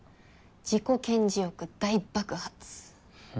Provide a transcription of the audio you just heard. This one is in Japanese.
自己顕示欲大爆発。